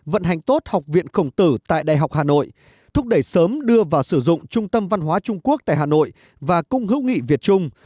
vận hành tốt học viện khổng tử tại đại học hà nội thúc đẩy sớm đưa vào sử dụng trung tâm văn hóa trung quốc tại hà nội và cung hữu nghị việt trung